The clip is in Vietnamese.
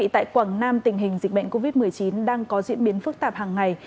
tại quảng nam tình hình dịch bệnh covid một mươi chín đang có diễn biến phức tạp hàng ngày